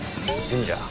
神社？